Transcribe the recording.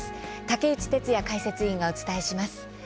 竹内哲哉解説委員がお伝えします。